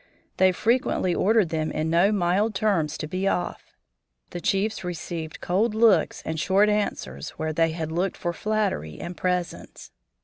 They frequently ordered them in no mild terms to be off. The chiefs received cold looks and short answers where they had looked for flattery and presents.